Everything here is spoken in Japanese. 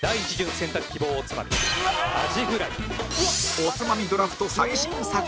おつまみドラフト最新作